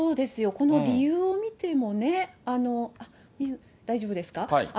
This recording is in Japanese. この理由を見てもね、大丈夫ですか？